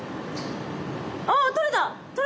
あっ取れた！